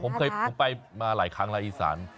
ผมเคยผมไปมาหลายครั้งแล้วอีสาน